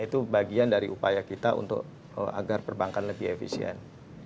itu bagian dari upaya kita untuk agar perbankan lebih efisien